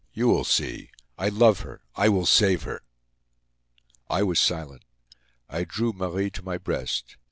You will see. I love her—I will save her!" I was silent. I drew Marie to my breast.